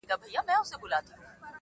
له قاتله چي څوک ځان نه سي ژغورلای -